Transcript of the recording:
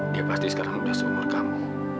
dia pasti sekarang sudah seumur kamu